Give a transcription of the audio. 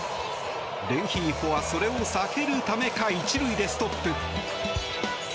レンヒーフォはそれを避けるためか１塁でストップ。